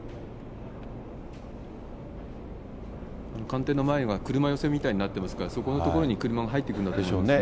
官邸の前は車寄せみたいになっていますから、そこの所に車が入ってくるんだと思いますね。